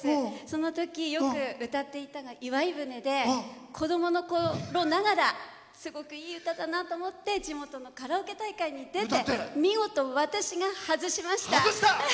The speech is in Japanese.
そのとき、よく歌っていたのが「祝い船」で子供のころながらすごくいい歌だなと思って地元のカラオケ大会に出て見事、私が外しました！